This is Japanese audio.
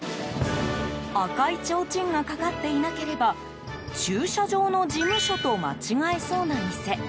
赤いちょうちんがかかっていなければ駐車場の事務所と間違えそうな店。